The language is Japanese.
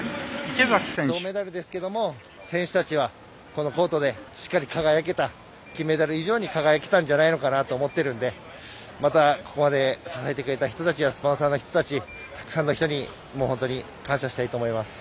銅メダルですけれども選手たちは、このコートでしっかり輝けた金メダル以上に輝けたんじゃないかと思っているのでまたここまで支えてくれた人たちやスポンサーの人たちたくさんの人に本当に感謝したいと思います。